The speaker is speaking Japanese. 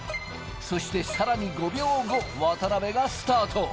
そしてさらに５秒後、渡邉がスタート。